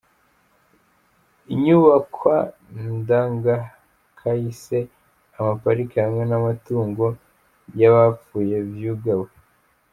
Inyubakwa ndangakahise, ama parike hamwe n'amatongo y'abapfuye vyugawe.